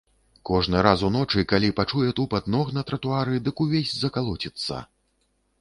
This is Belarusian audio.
Кожны раз уночы, калі пачуе тупат ног на тратуары, дык увесь закалоціцца.